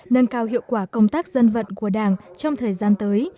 nâng cao hiệu quả công tác dân vận của đảng trong thời gian tới